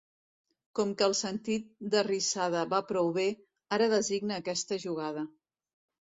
Com que el sentit d'arrissada va prou bé, ara designa aquesta jugada.